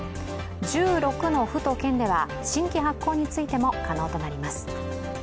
１６の府と県では新規発行についても可能となります。